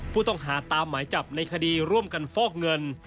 ผู้ต้องหาตามหมายจับในคดีร่วมกันฟอกเงิน